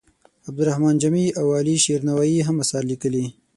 عبدالرحمان جامي او علي شیر نوایې هم اثار لیکلي.